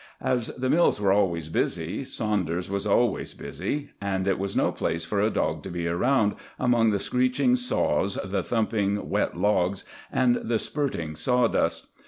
As the mills were always busy, Saunders was always busy, and it was no place for a dog to be around, among the screeching saws, the thumping, wet logs, and the spurting sawdust.